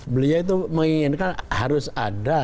beliau itu menginginkan harus ada